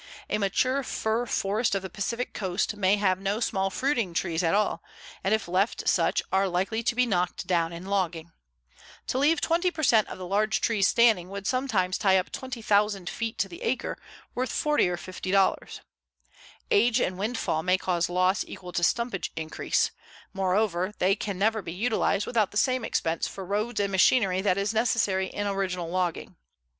A mature fir forest of the Pacific coast may have no small fruiting trees at all, and if left such are likely to be knocked down in logging. To leave 20 per cent of the large trees standing would sometimes tie up 20,000 feet to the acre, worth $40 or $50. Age and windfall may cause loss equal to stumpage increase; moreover, they can never be utilized without the same expense for roads and machinery that is necessary in the original logging.